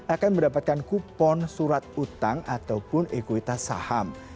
akan mendapatkan kupon surat utang ataupun ekuitas saham